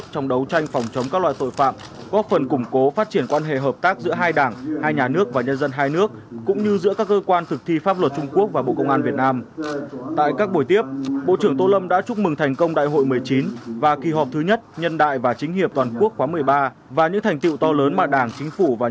trong đó có nhiều nội dung phải xem xét trước khi chỉnh quốc hội